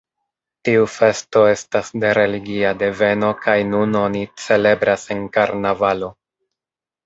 Tiu festo estas de religia deveno kaj nun oni celebras en karnavalo.